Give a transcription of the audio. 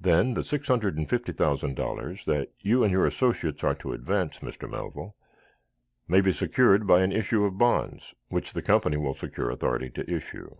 Then the six hundred and fifty thousand dollars that you and your associates are to advance, Mr. Melville, may be secured by an issue of bonds, which the company will secure authority to issue.